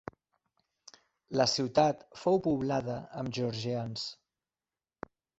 La ciutat fou poblada amb georgians.